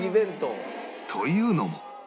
というのも